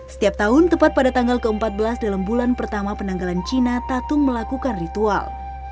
setiap tahun tepat pada tanggal ke empat belas dalam bulan pertama penanggalan cina tatung melakukan ritual